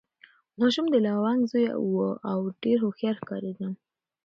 ماشوم د لونګ زوی و او ډېر هوښیار ښکارېده.